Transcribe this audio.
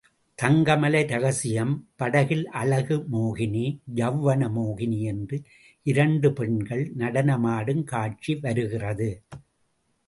தங்கமலை ரகசியம் படத்தில் அழகு மோகினி, யெளவன மோகினி என்ற இரண்டு பெண்கள் நடனமாடும் காட்சி வருகிறது.